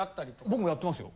僕もやってますよ。